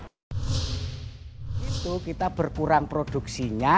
itu kita berkurang produksinya